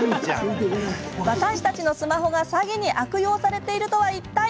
私たちのスマホが詐欺に悪用されているとはいったい？